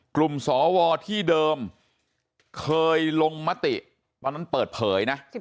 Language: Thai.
สวที่เดิมเคยลงมติตอนนั้นเปิดเผยนะ